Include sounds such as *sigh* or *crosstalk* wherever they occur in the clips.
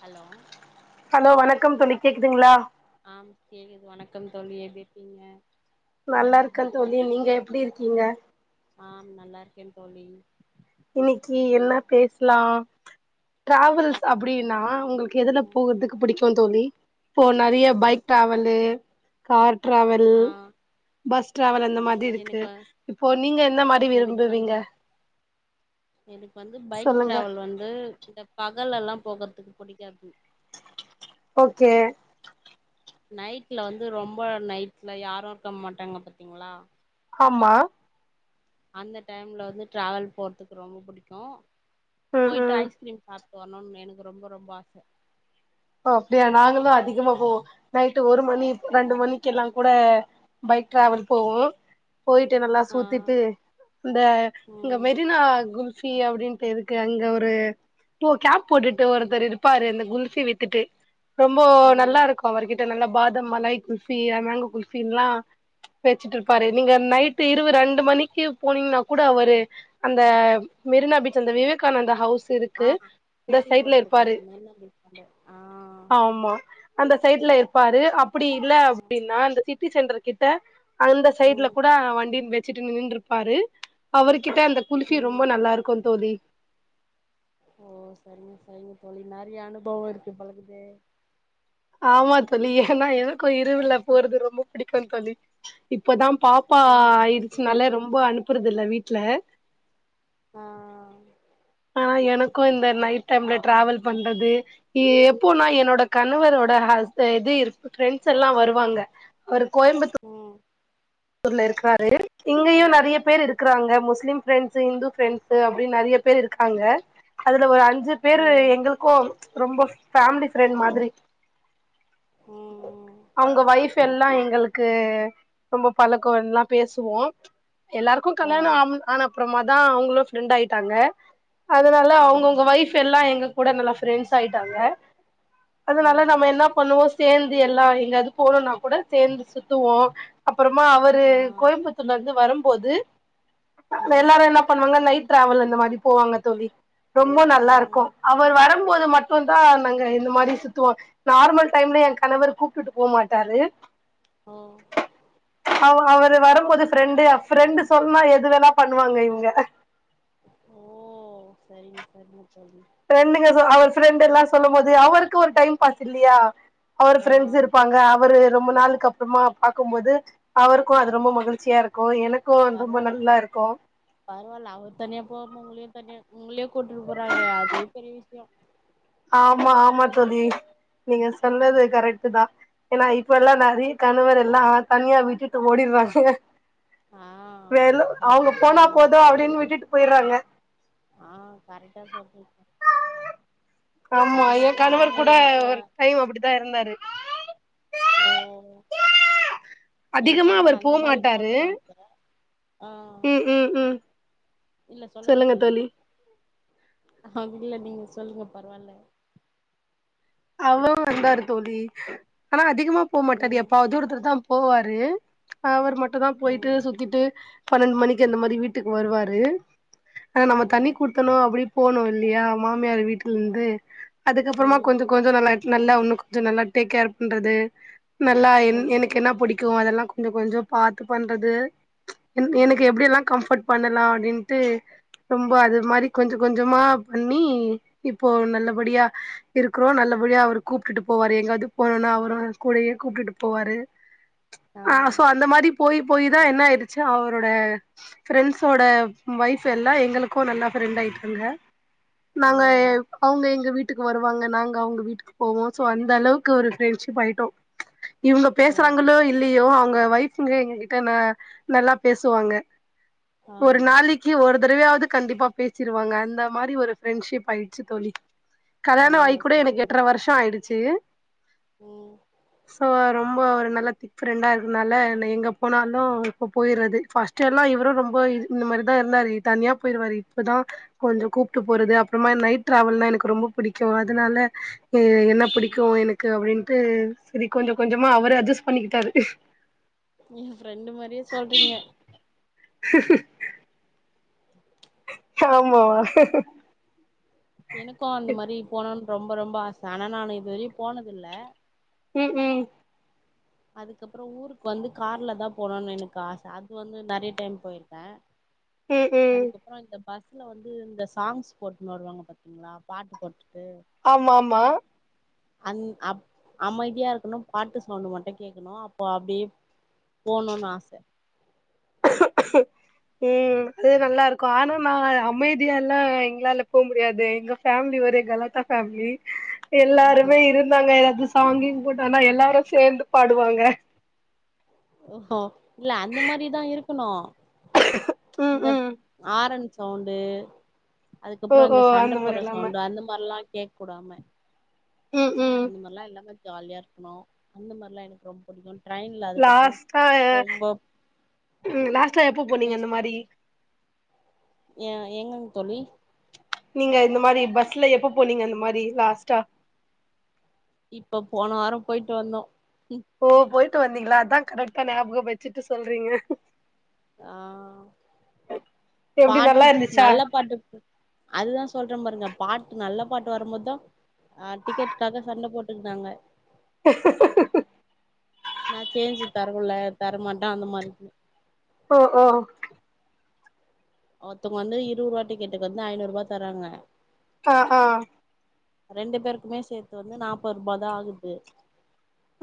hello கம் தோழி கேக்குதுங்களா ஆம் கேக்குது வணக்கம் தோழி எப்டி இருக்கிங்க நல்லா இருக்க தோழி நீங்க எப்டி இருக்கீங்க ஆம் நல்லா இருக்கே தோழி இன்னைக்கு என்ன பேசலா டிராவல்ஸ் அப்டினா உங்களுக்க எதுல போகறதுக்கு புடிக்கு கோ தோழி இப்போ நறைய பைக் டிராவலு கார் டிராவல் ஆ பஸ் டிராவல் அந்த மாரி இருக்கு எனக்கு இப்போ நீங்க எந்த மாரி எனக்கு வந் விரும்புவீங்க எனக்கு வந்து பைக் சொல்லுங்க டிராவல் வந்து இந்த பா பகல்லலா போகறதுக்கு புடிக்காது ஓகே நைட்ல வந்து ரொம்ப நைட்ல யாரு இருக்க மாட்டாங்க பாத்தீங்களா ஆமா அந்த டைம்ல வந்து டிராவல் போறதுக்கு ரொம்ப புடிக்கு ம் போயிட்டு ம் ஐஸ்கிரீம் சாப் போனுன்னு எனக்கு ரொம்ப ரொம்ப ஆச அப்டியா நாங்களு அதிகமா போவோ நைட்டு் ஒரு மணி ரெண்டு மணிக்குலா கூட பைக் டிராவல் போவோ போயிட்டு நல்லா ஆ சுத்திட்டு இந்த இங்க ம் மெரினா குல் சி அப்டின்டு இருக்கு அங்க ஒரு கேப் போட்டுட்டு ஒருத்தர் இருப்பாரு அந்த குல்பி வி த்துட்டு ரொம்போ ம் நல்லாருக்கு அவருகிட் நல்ல பாதம் மலாய் குல்பி மேங்கோ குல்பின்லா வச்சட்ருப்பாரு நீங்க நைட்டு இரவு ரெண்டு மணிக்கு போனீங்கனா கூட அவரு அந்த மெரினா பீச் அந்த விவேகானந்த ஹவுஸ் ஆ இருக்கு அந்த சைட்ல கேள்விப்பட்டிருக்க இருப்பாரு மெரினா பீச்ண்டு ஆமா அந்த சைட்ல இருப்பாரு அப் அப்டி இல்ல அப்டின்னா அந்த சீ ட்டி சென்ற கிட்ட அந்த சைட்ல ம் கூட வண்டின் வெச் வச்சட்டு நின்னுண்டுருப்பாரு அவருக் கிட்ட அந்த குல்ஃபி ம் ரொம்ப நல்லாருக்கு தோழி ஓ சரிங்க சரிங்க தோழி நெறைய அனுபவ இருக்கு பழகுதே ஆமா தோழி ஏனா எத க்கு ஆ இருவுல போறது ரொம்ப புடிக்கு தோழி இப்பதா பாப்பா எனக்கு வந்து ஆயிடுச்சுனாலே ரொம்ப அனுப்புறதுல்ல வீட் ல ஆ எனக்கு இந்த நைட் டைம்ல டிராவல் பண்றது ஏ எப்போனா என்னோட கணவரோட அ இது ஃப்ரெண்ட்ஸ் எல்லா வருவாங்க அவரு கோயம்புத்தூ ம் ஊர்ல இருக்குறார் ரு இங்கேயு ம் நெறைய பேர் இருக்குறாங்க முஸ்லிம் பிரெண்ட்ஸ் இந்து பிரெண்ட்ஸூ அப்டின்னு நெறைய பேர் இருக்காங்க அதுல ஒரு அஞ் ஞ்சு பேரு ம் எங்களுக்கு ரொம்ப ஃபேமிலி ஃப்ரெண்ட் மாதிரி ம் ம் அவங்க வைஃப் இப்பல்லா எங்களுக்கு ரொம்ப பழக்கல்லா பேசுவோ எல்லாருக்கு ஆ கல்யாண ஆம் ஆன அப்பறமா தா அவங்களு ஃப்ரெண்ட் ஆயிட்டாங்க அதனால ஆ அவங்கவுங்க வைஃப் எல்லாம் எங்க கூட நல்லா ஃப்ரெண்ட்ஸ் ஆயிட்டாங்க ஓ அதனால நம்ம என்னா பண்ணுவோ சேந் து எல்லா எங்கது போனும்னா கூட சேந்து சுத்துவோ அப்புறமா அவரு ஆ கோயம்புத்தூர்ல இருந்து வரும் போது ம் எல்லாரு என்ன பண்ணுவாங்க நைட் டிராவல் அந்த மாதிரி போவாங்க தோழி ரொம்ப நல்லாருக்கு ம் அவரு வரும் போது மட்டுந்தா நாங்க இந்த மாரி சுத்துவோ நார்மல் டைம்ல ஏங் கணவர் கூப்ட்டுட்டு போக மாட்டாரு ஓ அவங்க அவரு வரும்போது ஃப்ரெண்டு ப்ரெண்டு சொன்னா எது வேணா பண்ணுவாங்க இவங்க ஓ சரிங்க சரிங்க தோழி ப்ரெண்டுங்க சொ அவரு ஃப்ரெண்டெல்லா சொல்லு போது அவருக்கு ஒரு டைம் பாஸ் இல்லையா அவர் ஆ ஃப்ரெண்ட்ஸ் இருப்பாங்க அவரு ரொம்ப நாளுக்கு அப்றமா பாக்கும்போது அவருக்கு அது ம் ரொம்ப மகிழ்ச்சியா இருக்கு எனக்கு ரொம்ப பரவால் நல்லா இருக்கு உங்களயு கூட்டுட்டு போறாங்களே அதுவே பெரிய விஷய ஆமா ஆமா தோழி நீங்க சொன்னது ஆ கரெக்டு தா ஏன்னா இப்பல்லா நெறைய கணவர் எல்லா தனியா விட்டுட்டு ஓடிற்றாங்க ஆ வேணா அவங்க கரெக்டா போனா சொன்னீங்க போது அப்டின்னு விட்டுட்டு போயிற்றாங்க ஆ கரெக்டா சொல்லிருக்கே ஆம்மா ஏ கணவர் கூட எனக்கு அ ஒரு டைம் அப்படித்தா இருந்தாரு ஓ எனக்கு அதிகமா வந்து அவர் அந்த மாரி போமாட்டாரு போனுன்னு ஆச ஆ ம் ம் ம் இல்ல சொல்லுங்க தோழி அப்டி இல்ல நீங்க சொல்லுங்க பரவால அவரு வந்தாரு தோழி ஆனா அதிகமா போ மாட்டாரு ம் எப்பாது ஒரு தடவ தா போவாரு அவர் மட் அதா பொயிட்டு ம் சுத்திட்டு பனெண்மணிக்கு அந்த மாரி வீட்டுக்கு வருவாரு ஆனா நம்ப தனி ம் குடுத்தோனா அப்டி போனு இல்லையா ஆமா மாமியார் வீட்ல ஆ இருந்து அதுக்கப்றமா ம் கொஞ்ஜோ நல்லா உன்னு கொஞ்ஜோ நல்லா டேக் கேர் பண்றது நல்லா என் ம் எனக்கு என்னா புடிக்கு இருக்கு அதெல்லா கொஞ்ஜோ கொஞ்ஜோ பாத்து பண்றது எனக்கு ம் எப்டிலா கம்ஃபர்ட் பண்ணலா அப்டின்ட்டு ரொம்ப அது மாரி கொஞ்ஜ கொஞ்ஜமா பண்ணி இப்போ நல்லபடியா இருக் குறோ நல்லபடியா அவுரு கூப்டுட்டு போவாரு எங்காவது போனும்னா அவரு கூடயே கூப்டுட்டு போவாரு ஆ சோ அந்த மாரி போய் போய் தா என்ன ஆயிட்ச்சி அவரோட ஃப்ரெண்ட்ஸ் ஓட வைஃப் எல்லா எங்களுக்கு நல்லா ஃப்ரெண்ட் ஆயிட்டாங்க ஓ நாங்க அவுங்க எங்க வீட் டுக்கு வருவாங்க நாங்க அவங்க வீட்டுக்கு போவோ சோ அந்த அளவுக்கு ஒரு ஃப்ரெண்ட்ஷிப் ஆயிட்டோ இவங்க ஓ பேசுறாங்களோ இல்லியோ அங் உங்க வயசுலே எங்க கிட்ட நா நல்லா பேசுவாங்க ஆ ஒரு நாளிக்கு ஒரு தரவயாது கண்டிப்பா பேசிருவாங்க அந்த மாரி ஒரு ஃப்ரெண்ட்ஷிப் ஆயிட்ச்சி தோழி ஓ கல்யாணோ *unintelligible* எனக்கு சரிங்க எட்ர வர்ஷோ ஆ என்ன செய்ய ம் சோ ரொம்ப ஒரு நல்லா திப்ரெண்டா இருகுனால நா எங்க போனாலு இப்ப பொய்றது ஃபர்ஸ்ட் எல்லா இவரு ரொம்ப இந்த மாரி தா இருந்தாரு தனியா பொயிருவாரு இப்பதா கொஞ்ஜோ கூப்ட்டு போறது அப்றமா நைட் ட்ரவல்னா எனக்கு ரொம்ப புடிக்கு அதனால ஏ என்ன புடிக்கு எனக்கு அப்டின்னு சரி கொஞ்ஜ கொஞ்ஜமா அவர அட்ஜஸ் பண்ணிக்கிட்டாரு ஏன் ஃப்ரெண்டு மாரியே சொல்றிங்க *inaudible* ஆமா எனக்கோ அந்த மாரி போனான் ரொம்ப ரொம்ப ஆச ஆனா நானு இதுவரையு போனது இல்ல ம் ம் அதுக்கப்றம் ஊருக்கு வந்து கார்ல தா போணுன் எனக்கு ஆச அது வந்து நெறய டைம் போய்ருக்க ம் ம் பஸ்ல வந்து இந்த சாங்ஸ் போட்னு வருவாங்க பாத்தீங்ளா பாட்டு போட்டு ஆமா ஆமா அந் அப் அமைதியாருக்குணு பாட்டு சவுண்ட் மட்டு கேக்குணு அப்போ அப்டியே போணுன் ஆச ம் அது நல்லாருக்கு ஆனா நா அமைதியாலா எங்ளால போ முடியாது எங்க ஃபேம்லி ஒரே கலாட்டா ஃபேம்லி ஆஹா எல்லாருமே இருந்தாங்க *unintelligible* சாங் கிங் போட்டு ஆனா எல்லாரு சேந்து பாடுவாங்க ஓஹோ இல்ல அந்த மாரிதா இருக்குணு ம் இந்த ம் ஆரன் சவுண்டு ஓ அதுக்கப்றம் ஓ இந்த சண்ட அந்த மாரி போற எல்லாம சவுண்டு அந்த மார்ல்லா கேக் குடாம ம் ம் அந்த மார்லா இல்லாம ஜாலியா இருக்கணு அந்த மாரிலா எனக்கு ரொம்ப புடிக்கு ட்ரெய்ன்ல அதுக்கு லாஸ்ட்டா ம் லாஸ்ட்டா எப்ப போனீங்க அந்த மாரி ஏ என்னங் தோழி நீங்க இந்த மாரி பஸ்ல எப்ப போனீங்க இந்த மாரி லாஸ்ட்டா இப்ப போன வாரொ போய்ட்டு வந்தோ ஓ போய் ட்டு வந்தீங்ளா அதா கரெக்டா ஞாபகம் வச்சுட்டு சொல்றிங்க ஆ எப்டி பாட்டு நல்லா இருந்துச்சா நல்ல பாட்டு அதுதா சொல்ற பாருங்க பாட்டு நல்ல பாட்டு வரும்போதா ஆ டிக்கெட்டுக்காக சண்ட போட்டுகுட்டா ங்க நா சேஞ்சு தர்ல தரமாட்டே அந்த மாரி ஓ ஓ ஒருத்தொங்க வந்து இருவரூவா டிக்கெட்டுக்கு வந்து ஐநூறுவா தராங்க ஆ ஆ ரெண்டு பேருக்குமே சேத்து வந்து நாப்பரூபா தா ஆகுது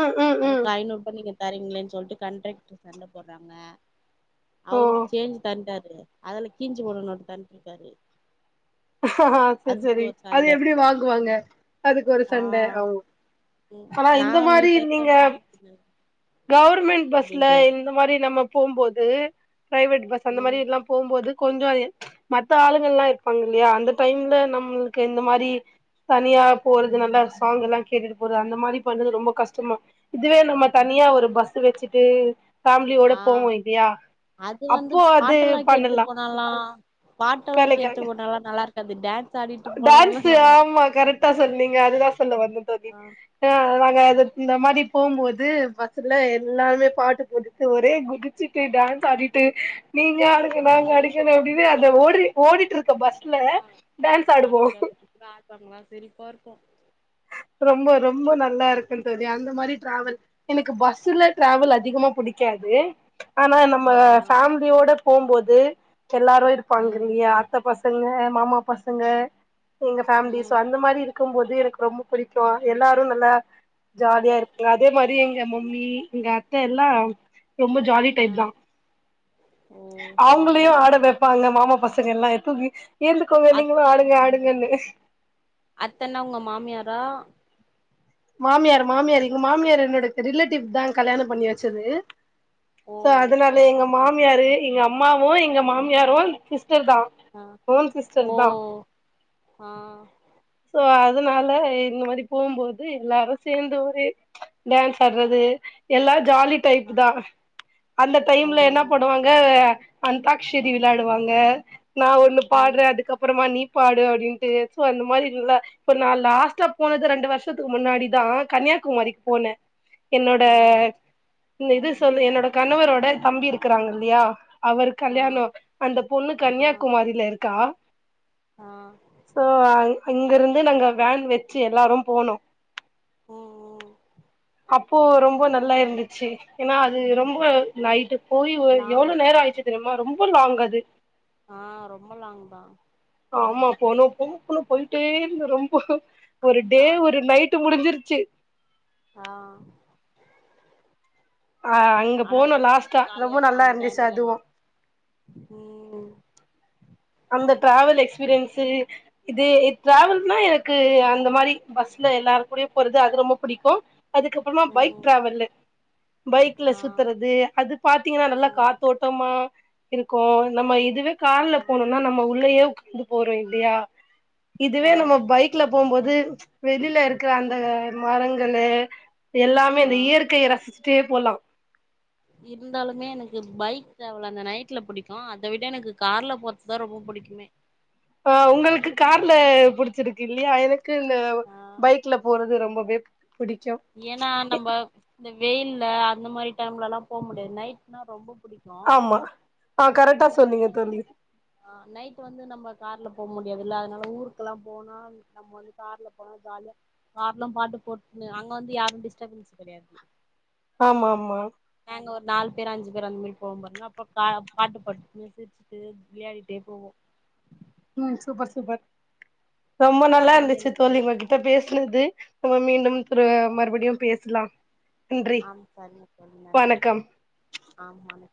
ம் ம் ம் அதுக் ஐநூற்பா நீங்க தரிங்ளேன் சொல்ட்டு கண்ட்ரெக்ட்ரு சண்ட போறாங்க ஓ அவருக் சேஞ்ச் தந்தார் அதுல கீஞ்சு போடணு தன்ட்டு இருக்காரு சரி சரி அது சண்ட எப்டி வாங்குவோ ங்க அதுக்கு ஒரு ஆ சண்ட ஆம் ம் ஆனா நா இந்த நீ மாரி தரதா நீங்க நா கவர்மெண்ட் பஸ்ல அப்டின்றாரு இந்த மாரி நம்ம போம்போது பிரைவேட் பஸ் அந்த மாரி ம் எல்லா போம்போது கொஞ்ச அ மத்த ஆளுங்கல்லா இருப்பாங்க இல்லையா அந்த டைம்ல நம்மளுக்கு இந்த மாரி தனியா போறது நல்லா சாங்கெல்லா கேட்டுட்டு போறது அந்த மாரி பண்றது ரொம்ப கஷ்டமா இதுவே நம்ம தனியா ஒரு பஸ் வச்சுட்டு ஃபேமிலியோட ஆ போவோ இல்லையா அது வந்து அப்போ அது பாட்டெல்லா கேட்டு பண்ணலா போனல்லா பாட்டல்லா கேட்டு போனாலா நல்லா இருக்காது டான்ஸ் ஆடிட்டு போனாலா டான்ஸ்சு நல்லா இருக்காது ஆமா கரெக்டா சொன்னீங்க அதுதா சொல்ல வந்தே தோழி ஆ ஆஹ் நாங்க அது இந்த மாரி போகும்போது பஸ்சுல எல்லாருமே பாட்டு போட்டுட்டு ஒரே குதிச்சுட்டு டான்ஸ் ஆடிட்டு நீங்க அடுக்க ஆ நாங்க அடிக்கணு அப்டினு ஓட்ரி ஓடிட்டிருக்க பஸ் ஆ காத்திரத்து ஆப்பாங்களா சிரிப்பாருக்கு ரொம்ப ரொம்ப நல்லாருக்கு தோழி அந்த மாரி டிராவல் எனக்கு பஸ்ல ட்ராவல் அதிகமா புடிக்காது ஆனா நம்ம ஆ ஃபேமிலியோட போம்போது எல்லாரு இருப்பாங்க ம் இல்லையா அத்த பச சங்க மாமா பசங்க எங்க ஃபேமிலி சோ ம் அந்த மாரி இருக் க்கும்போது எனக் ரொம்ப புடிக்கு எல்லாரு நல்லா ஜாலியா இருக்குகளா அதே மாரி எங் ங்க மம்மி இங்க அத்த எல்லா ரொம்ப ஜாலி ஆ டைப் தா ஓ சரிங்க அவங்களையு ஆட சரிங்க வைப்பாங்க மாமா பச இதெல்லா எப்ப வீ எழுந்துக்கோங்க நீங்களு அத்த ஆடுங்க ஆடுங்கன்னு அத்தன்னா உங்க மாமியாரா மாமியார் மாமியார் எங்க மாமியார் என்னோட ரிலேட்டிவ் தா கல்யாண பண்ணி வச்சது ஓ சோ அதனால சரி எங்க சரி மாமியாரு எங்கம் அம்மாவு எங்க மாமியாரு சிஸ் டர்தா ஆ ஓன் சிஸ்டர் ஓ தா ஆ சோ அ அதனால இந்த மாரி போம்போது எல்லாரு சேந்து ஒரே டான்ஸ் ஆட்றது எல்லா ஜாலி டைப் ஆ தா அந்த ஓ டைம்ல என்னாப் பண்ணுவாங்க அந்தாக்ஷரி விளையாடுவாங்க நா ஒண்ணு ம் பாடுறே அதுக்க அப்புறமா நீ பாடு அப்டின்ட்டு சோ அந்த மாரி இல்ல இப்ப நா லாஸ்டா போனது ரெண்டு வர்ஷ் த்துக்கு முன்னாடி தா கன்னியாகுமரிக்கு போனே என்னோட ஆ இந்த இது சொல்லு என்னோட கணவரோட தம்பி இருக்கிறாங்க இல்லையா அவர் ஆ கல்யாணோ அந்த பொண்ணு ஆ கன்னியாகுமாரில இருக்கா ஆ சோ அ அங்க இருந் ந்து நாங்க வேன் வச்சு எல்லாரு போனோ ம் ம் அப்போ ரொம்ப நல்லா இருந்துச்சு ஏன்னா அது ரொம்ப லைட்டு போய் எவ்ளோ லாங்கு நேரோ ஆயிச்சு தெரியு ஆ ரொம்ப லாங் அது ஆ ரொம்ப லாங் தா ஆமா போனோ போன *unintelligible* போயிட்டே இருந்த ரொம்போ அப்ப ஒரு டே ஜாலியா ஒரு நைட் முடிஞ்சிருச்சு ஆ அ அங்க ஆனா போனோ செமயா லாஸ்டா ஜாலியா ரொம்ப இருக்கு நல்லா அந்த இருந்துச்சு டைம்லல்லா அதுவு ம் அந்த டிராவல் எக்ஸ்பீரியன்ஸ்ஸு இது டிராவல்னா எனக்கு அந்த மாரி பஸ்ல எல்லார கூட போறது அது ரொம்ப புடிக்கு அதுக்கப்புறமா பைக் ம் டிராவல்லு பைக்ல ஆ சுத்துறது அது பாத்தீங்கன்னா நல்லா ம் காத்தோட்டமா இருக்கு நம்ம ம் இதுவே கார்ல ம் *unintelligible* நம்ம உள்ளேயே உட்காந்து போறோ இல்லயா இதுவே ஆ நம்ம பைக்ல போம்போது அது வெளியில இருக்கிற அந்த மரங்களு எல்லாமே ஆ இந்த இயற்கையை ரசிச் தே போலா இருந்தாலுமே எனக்கு பைக் ட்ராவல்லு அந்த நைட்ல புடிக்கு அத விட எனக்கு கார்ல போறதுதான் ரொம்ப புடிக்குமே ஆ உங்களுக்கு கார்ல புடிச்சிருக்கு இல்லையா எனக்கு இந்த ஆ பைக்ல போறது ரொம்பவே புடிக்கு ஏன்னா நம்ம இந்த வெயில்ல அந்த மாரி டைம்லல்லா போ முடியாது நைட்னா ரொம்ப புடிக்கு ஆமா ஆ கரெக்டா சொன்னீங்க அதுக்கப்புற தோழி நைட் வந்து நம்ம கார்ல போ முடியாதுல்ல அதனால ஊருக்குெல்லா போனா நம்ம வந்து கார்ல போனா ஜாலியா கார்லா பாட்டு போட்டுங்னு வந்து யாரும் டிஸ்டபன்ஸ் கிடையாது ஆமா ஆமா நாங்க ஒரு நாலு பேர் அஞ்சு பேர் அந்த மாரி போவ பாருங்க அப்புற பாட்டு பாடிட்டு சிரிச்சுட்டு விளையாடிட்டே போவோ ம் சூப்பர் சூப்பர் ரொம்ப நல்லா அது வந்து இர்ந்துச்சு எனக்கு ரொம்ப தோழி உங்க கிட்ட பேசுனது நம்ம மீண்டும் த்ரு மறுபடியு பேஸ்லா ஆம் சரிங்க தோழி நன்றி வணக்கம் ஆ வணக்